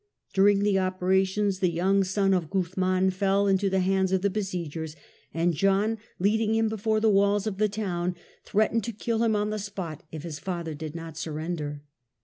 During the operations, the young son of Guzman fell into the hands of the besiegers, and John, leading him before the walls of the town, threatened to kill him on the spot if his father did not surrender.